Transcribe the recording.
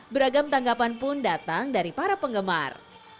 beragam tanggapan pun datang dari para penggemar